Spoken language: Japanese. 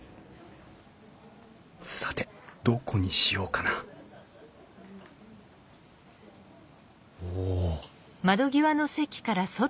さてどこにしようかなおお。